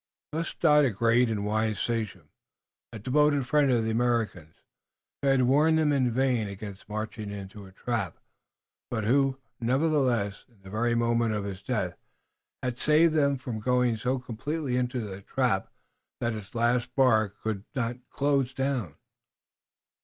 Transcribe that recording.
Thus died a great and wise sachem, a devoted friend of the Americans, who had warned them in vain against marching into a trap, but who, nevertheless, in the very moment of his death, had saved them from going so completely into the trap that its last bar could close down.